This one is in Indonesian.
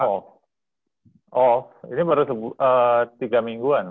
oh ini baru tiga mingguan